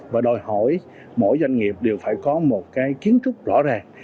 và đòi hỏi mỗi doanh nghiệp đều phải có một cái kiến trúc rõ ràng